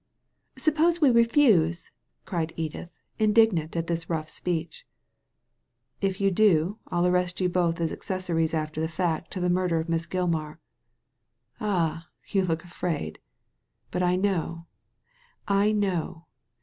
''* Suppose we refuse? cried Edith, indignant at this rough speech. If you do ril arrest you both as accessories after the fact to the murder of Miss Gilmar. Ah, you look afraid ! But I know — I know.